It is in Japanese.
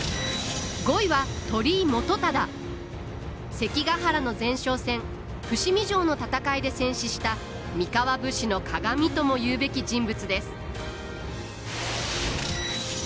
関ヶ原の前哨戦伏見城の戦いで戦死した三河武士のかがみともいうべき人物です。